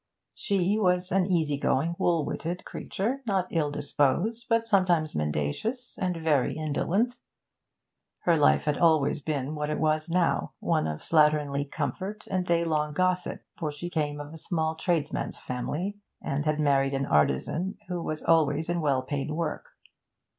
She was an easy going, wool witted creature, not ill disposed, but sometimes mendacious and very indolent. Her life had always been what it was now one of slatternly comfort and daylong gossip, for she came of a small tradesman's family, and had married an artisan who was always in well paid work.